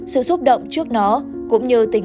sự xúc động trước nó cũng như tình